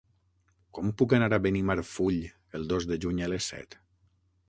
Com puc anar a Benimarfull el dos de juny a les set?